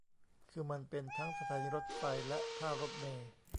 คือมันเป็นทั้งสถานีรถไฟและท่ารถเมล์